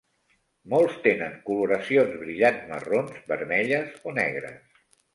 Molts tenen coloracions brillants marrons, vermelles o negres.